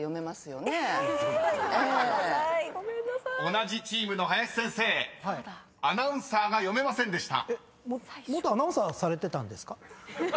［同じチームの林先生アナウンサーが読めませんでした］